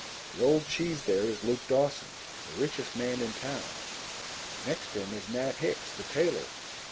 The old cheese there is Luke Dawson, the richest man in town. Next to him is Nat Hicks, the tailor."